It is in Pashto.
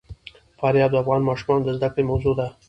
فاریاب د افغان ماشومانو د زده کړې موضوع ده.